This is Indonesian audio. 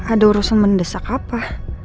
ada urusan mendesak apa